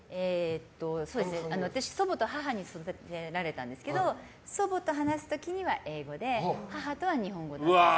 私、祖母と母に育てられたんですけど祖母と話す時には英語で母とは日本語だったんです。